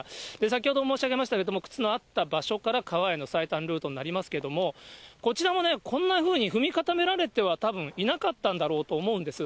先ほど申し上げましたけれども、靴のあった場所から川への最短ルートになりますけれども、こちらもこんなふうに踏み固められてはたぶんいなかったんだろうと思うんです。